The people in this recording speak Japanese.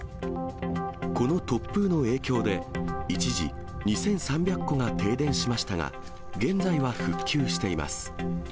この突風の影響で、一時２３００戸が停電しましたが、現在は復旧しています。